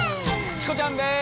チコちゃんです！